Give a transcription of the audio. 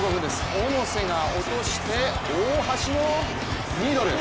小野瀬が落として大橋のミドル。